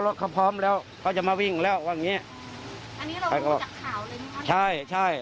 รถเขาพร้อมแล้วเขาจะมาวิ่งแล้วว่าอย่างเงี้ยอันนี้เรารู้จากข่าวเลยใช่ใช่